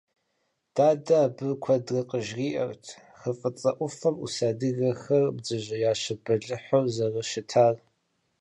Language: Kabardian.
Дадэ абы куэдрэ къыжриӀэрт Хы фӀыцӀэ Ӏуфэм Ӏус адыгэхэр бдзэжьеящэ бэлыхьу зэрыщытар.